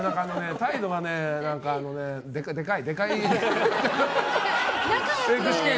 態度がでかい！